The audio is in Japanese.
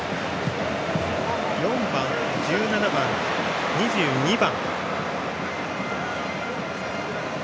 ４番、１７番、２２番。